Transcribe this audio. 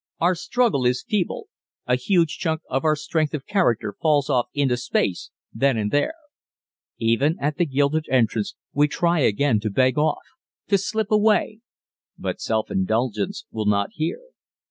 Our struggle is feeble a huge chunk of our strength of character falls off into space then and there. Even at the gilded entrance we try again to beg off to slip away but Self indulgence will not hear.